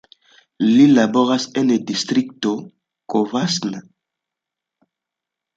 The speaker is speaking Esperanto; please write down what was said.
Li laboras en Distrikto Covasna.